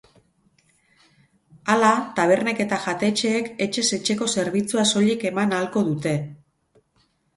Hala, tabernek eta jatetxeek etxez etxeko zerbitzua soilik eman ahalko dute.